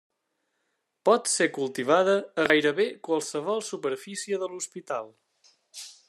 Pot ser cultivada a gairebé qualsevol superfície de l'hospital.